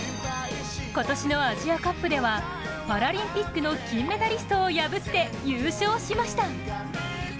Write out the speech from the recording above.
今年のアジアカップでは、パラリンピックの金メダリストを破って優勝しました！